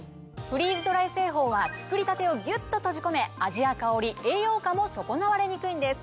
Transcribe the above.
フリーズドライ製法は作りたてをギュっと閉じ込め味や香り栄養価も損なわれにくいんです。